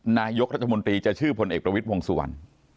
นายกรัฐมนตรีจะชื่อพลเอกประวิทย์วงสุวรรณ